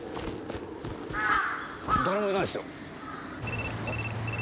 誰もいないっすよ。